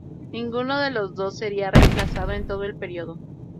Ninguno de los dos sería reemplazado en todo el período.